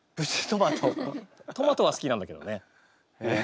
トマトは好きなんだけどね。